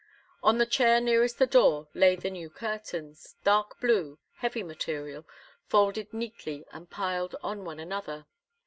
On the chair nearest the door lay the new curtains, dark blue, heavy material, folded neatly and piled on one another.